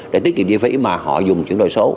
để tiết kiệm chi phí mà họ dùng chuyển đổi số